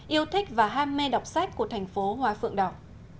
yêu thích và ham mê đọc sách của thành phố hoa phượng đỏ